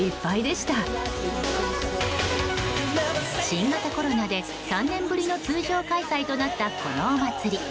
新型コロナで３年ぶりの通常開催となった、このお祭り。